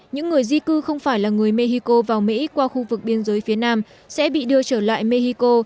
những người di cư không phải là người mexico vào mỹ qua khu vực biên giới phía nam sẽ bị đưa trở lại mexico